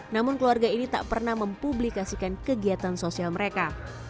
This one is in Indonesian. namun keluarga ini tak pernah mempublikasikan kegiatan sosial mereka